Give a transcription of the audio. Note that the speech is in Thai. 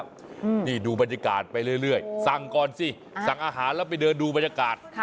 นี่ดูบรรยากาศไปเรื่อยสั่งก่อนสิสั่งอาหารแล้วไปเดินดูบรรยากาศ